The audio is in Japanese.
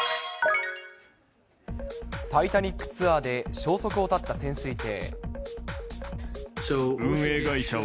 タイタニックツアーで消息を絶った潜水艇。